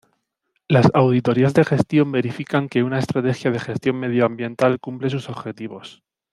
Las auditorías de gestión verifican que una Estrategia de Gestión Medioambiental cumple sus objetivos.